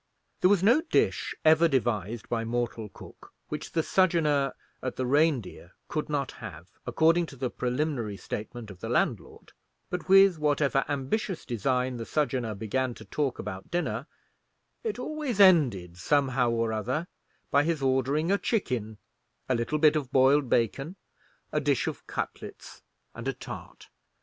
There was no dish ever devised by mortal cook which the sojourner at the Reindeer could not have, according to the preliminary statement of the landlord; but with whatever ambitious design the sojourner began to talk about dinner, it always ended, somehow or other, by his ordering a chicken, a little bit of boiled bacon, a dish of cutlets, and a tart.